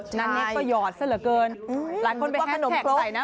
ใช่นั้นเน็กประหยอดซะเหลือเกินหลายคนไปแฮนแคกใส่นะ